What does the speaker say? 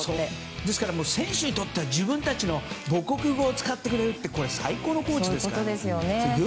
ですから選手たちにとって自分たちの母国語を使ってくれる最高のコーチですから。